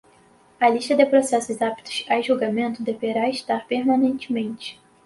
A lista de processos aptos a julgamento deverá estar permanentemente